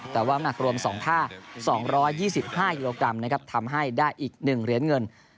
แต่ว่าน้ำหนักรวม๒ท่า๒๒๕กิโลกรัมนะครับทำให้ได้อีก๑เหรียญเงิน